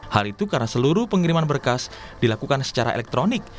hal itu karena seluruh pengiriman berkas dilakukan secara elektronik